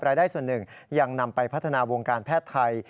รายได้ส่วนหนึ่งยังนำไปพัฒนาวงการแพทย์ไทย